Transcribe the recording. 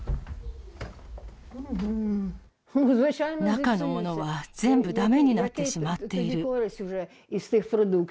中のものは全部だめになってしまっている。